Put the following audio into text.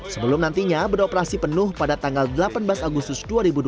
sebelum nantinya beroperasi penuh pada tanggal delapan belas agustus dua ribu dua puluh